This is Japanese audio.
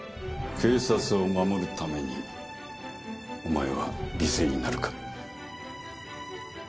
警察を守るためにお前は犠牲になるか。